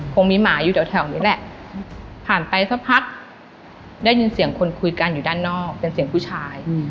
คงมีหมาอยู่แถวนี้แหละผ่านไปสักพักได้ยินเสียงคนคุยกันอยู่ด้านนอกเป็นเสียงผู้ชาย